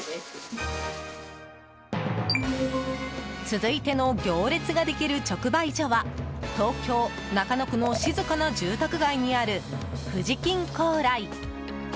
続いての行列ができる直売所は東京・中野区の静かな住宅街にあるフジキン光来。